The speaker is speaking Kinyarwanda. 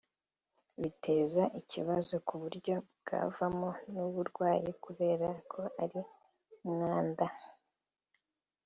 biteza ikibazo ku buryo byavamo n’uburwayi kubera ko ari umwanda